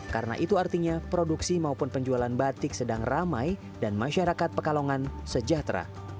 karena itu artinya produksi maupun penjualan batik sedang ramai dan masyarakat pekalongan sejahtera